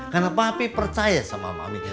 karena mami percaya sama mami